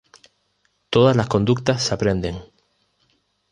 Todas las conductas se aprenden.